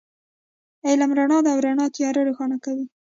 علم رڼا ده، او رڼا تیار روښانه کوي